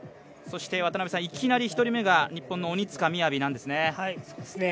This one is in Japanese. そして、いきなり１人目が日本の鬼塚雅なんですね。